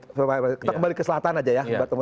kita kembali ke selatan aja ya